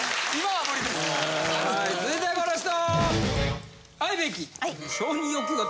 はい続いてはこの人。